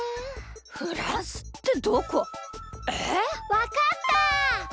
わかった！